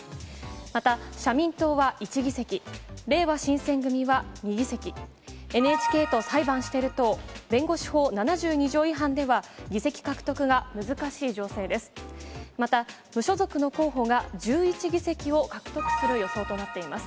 また、社民党は１議席、れいわ新選組は２議席、ＮＨＫと裁判してる党弁護士法７２条違反では、議席獲得が難しい情勢です。